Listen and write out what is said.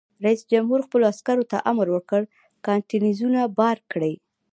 رئیس جمهور خپلو عسکرو ته امر وکړ؛ کانټینرونه بار کړئ!